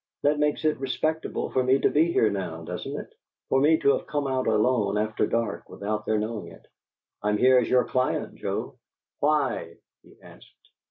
That makes it respectable for me to be here now, doesn't it? for me to have come out alone after dark without their knowing it? I'm here as your client, Joe." "Why?" he asked.